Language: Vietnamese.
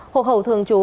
hộ khẩu thường trú